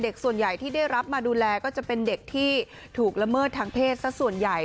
ส่วนใหญ่ที่ได้รับมาดูแลก็จะเป็นเด็กที่ถูกละเมิดทางเพศสักส่วนใหญ่